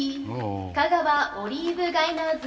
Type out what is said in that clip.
香川オリーブガイナーズ」。